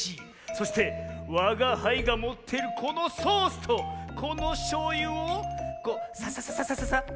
そしてわがはいがもっているこのソースとこのしょうゆをこうサササササササッ。